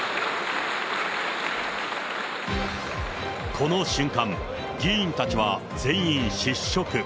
この瞬間、議員たちは全員失職。